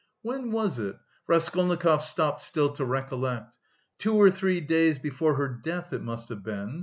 "When was it?" Raskolnikov stopped still to recollect. "Two or three days before her death it must have been.